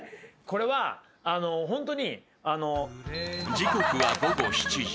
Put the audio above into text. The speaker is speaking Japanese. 時刻は午後７時。